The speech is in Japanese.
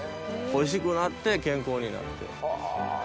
おいしくなって健康になって。